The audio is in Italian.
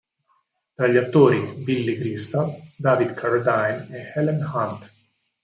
Tra gli attori: Billy Crystal, David Carradine e Helen Hunt.